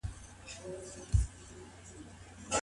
که خلګو ته د زلزلې پر مهال لارښوونه وسي، نو تلفات نه ډیریږي.